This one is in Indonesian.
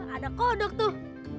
ada kodok tuh